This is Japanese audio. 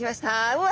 うわ！